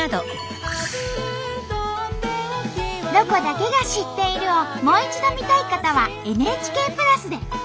「ロコだけが知っている」をもう一度見たい方はＮＨＫプラスで。